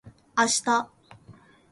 あした